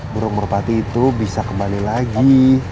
burung merpati itu bisa kembali lagi